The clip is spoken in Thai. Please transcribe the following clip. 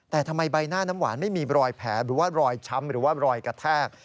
แต่ทำไมใบหน้าน้ำหวานไม่มีรอยแผลหรือว่ารอยช้ำหรือว่ารอยกระแทก